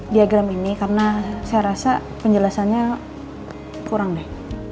diagram ini karena saya rasa penjelasannya kurang deh